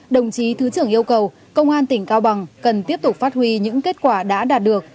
đồng chí thứ trưởng yêu cầu công an tỉnh cao bằng cần tiếp tục phát huy những kết quả đã đạt được